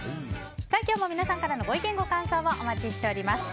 今日も皆様からのご意見ご感想をお待ちしています。